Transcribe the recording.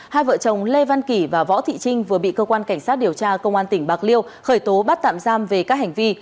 hai vợ chồng lê văn kỳ và võ thị trinh vừa bị cơ quan cảnh sát điều tra công an tỉnh bạc liêu khởi tố bắt tạm giam về các hành vi